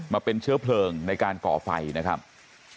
มาเป็นเชื้อเพลิงในการก่อไฟนะครับ